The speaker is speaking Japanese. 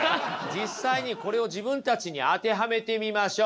実際にこれを自分たちに当てはめてみましょう。